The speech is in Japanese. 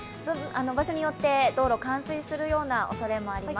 場所によって道路が冠水するようなおそれもあります。